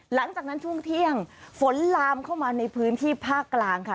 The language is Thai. หลังจากนั้นช่วงเที่ยงฝนลามเข้ามาในพื้นที่ภาคกลางค่ะ